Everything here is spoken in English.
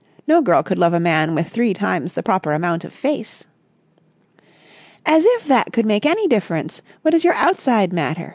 No girl could love a man with three times the proper amount of face." "As if that could make any difference! What does your outside matter?